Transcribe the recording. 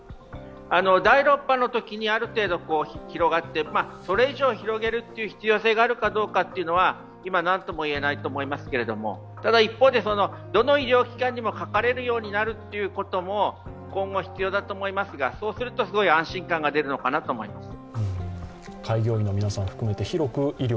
第６波のときにある程度広がって、それ以上広げる必要性があるかどうかというのは今、なんともいえないと思いますけどもただ、一方で、どの医療機関にもかかれるようになるということも今後、必要だと思いますがそうするとすごい安心感が出るのかなと思います。